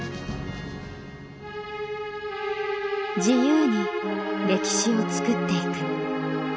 自由に歴史を作っていく。